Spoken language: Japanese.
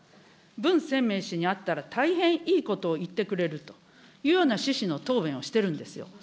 文鮮明氏に会ったら大変いいことを言ってくれるというような趣旨の答弁をしているんですよ。